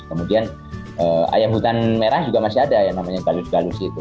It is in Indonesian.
kemudian ayam hutan merah juga masih ada yang namanya galus galus itu